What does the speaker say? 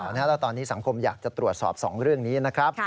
แล้วตอนนี้สังคมอยากจะตรวจสอบ๒เรื่องนี้นะครับ